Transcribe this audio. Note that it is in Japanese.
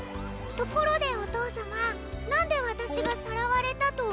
ところでおとうさまなんでわたしがさらわれたとおもったの？